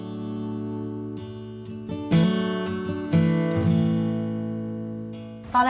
วันที่๑ใน๒๕ค่า